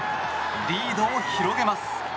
リードを広げます。